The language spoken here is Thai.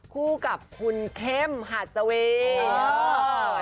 คู่กับคุณเข็มหัดเสวี